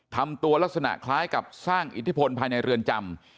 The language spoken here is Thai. ทำตัวลักษณะคล้ายกับสร้างอิทธิพลภายในเรือนจำ